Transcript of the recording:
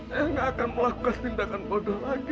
ayah ga akan melakukan tindakan bodoh lagi